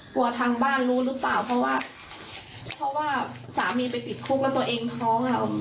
กลัวทางบ้านรู้หรือเปล่าเพราะว่าเพราะว่าสามีไปติดคุกแล้วตัวเองท้องอ่ะ